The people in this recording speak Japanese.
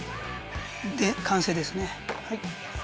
で完成ですね。